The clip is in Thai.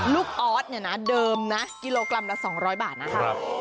ออสเนี่ยนะเดิมนะกิโลกรัมละ๒๐๐บาทนะคะ